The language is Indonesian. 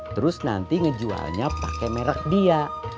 terus nanti ngejualnya pakai merek dia